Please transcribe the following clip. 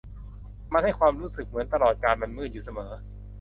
มันให้ความรู้สึกเหมือนตลอดกาลมันมืดอยู่เสมอ